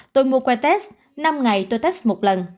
tôi mua qua test năm ngày tôi test một lần